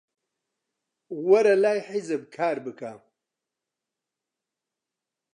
وەرە لای حیزب کار بکە.